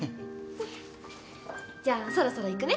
じゃあそろそろ行くね。